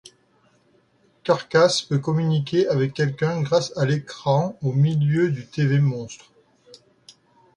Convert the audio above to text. Karkass peut communiquer avec quelqu'un grâce à l'écran au milieu du Tv monstre.